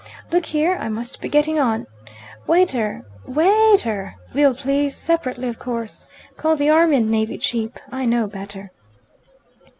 Look here, I must be getting on. Waiter! Wai ai aiter! Bill, please. Separately, of course. Call the Army and Navy cheap! I know better!"